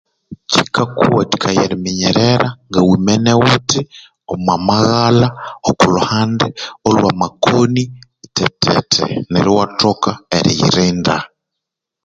Kyikakuwathikaya eriminyerera nga wimine ghuthi omumaghalha